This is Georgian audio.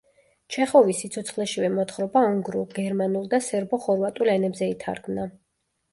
ჩეხოვის სიცოცხლეშივე მოთხრობა უნგრულ, გერმანულ და სერბო-ხორვატულ ენებზე ითარგმნა.